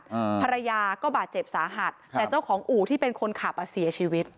อืมภรรยาก็บาดเจ็บสาหัสแต่เจ้าของอู่ที่เป็นคนขับอ่ะเสียชีวิต